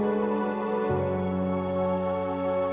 aku emang kecewa banget